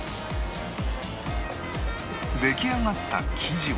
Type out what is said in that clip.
出来上がった生地を